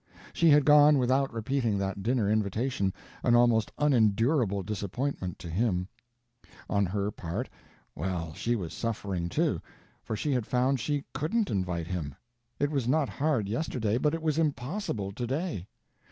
She had gone without repeating that dinner invitation—an almost unendurable disappointment to him. On her part well, she was suffering, too; for she had found she couldn't invite him. It was not hard yesterday, but it was impossible to day.